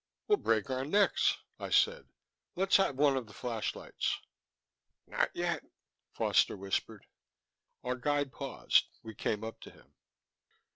"We'll break our necks," I said. "Let's have one of the flashlights." "Not yet," Foster whispered. Our guide paused; we came up to him.